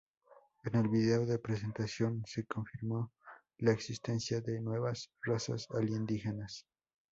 En el vídeo de presentación se confirmó la existencia de nuevas razas alienígenas.